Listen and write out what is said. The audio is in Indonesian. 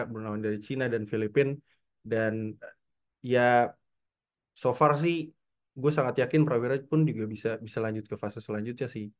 bermain dari cina dan filipina dan ya so far sih gue sangat yakin prawira pun juga bisa lanjut ke fase selanjutnya sih